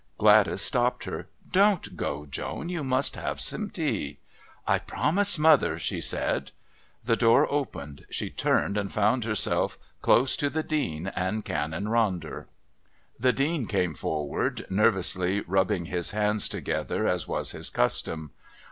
Gladys stopped her. "Don't go, Joan. You must have tea." "I promised mother " she said. The door opened. She turned and found herself close to the Dean and Canon Ronder. The Dean came forward, nervously rubbing his hands together as was his custom.